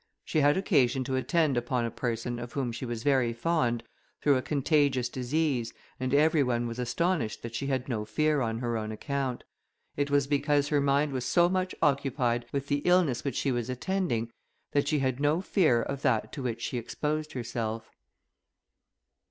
She had occasion to attend upon a person, of whom she was very fond, through a contagious disease, and every one was astonished that she had no fear on her own account. It was because her mind was so much occupied with the illness which she was attending, that she had no fear of that to which she exposed herself.